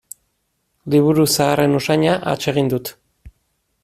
Liburu zaharren usaina atsegin dut.